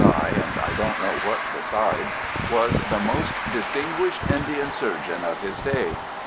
S.I., and I don't know what besides, was the most distinguished Indian surgeon of his day.